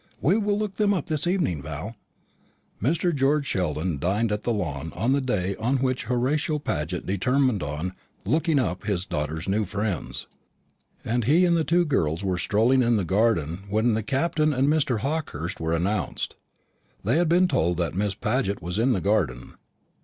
"We'll look them up this evening, Val." Mr. George Sheldon dined at the Lawn on the day on which Horatio Paget determined on "looking up" his daughter's new friends, and he and the two girls were strolling in the garden when the Captain and Mr. Hawkehurst were announced. They had been told that Miss Paget was in the garden.